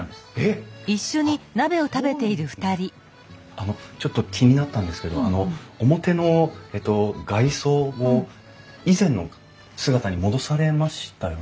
あのちょっと気になったんですけど表のえっと外装を以前の姿に戻されましたよね？